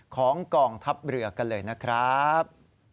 ของกองทัพเรือกันเลยนะครับ